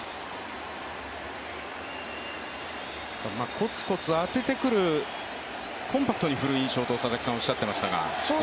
こつこつ当ててくるコンパクトに振る印象とおっしゃっていましたが。